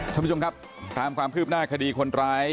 ท่านผู้ชมครับตามความคืบหน้าคดีคนร้าย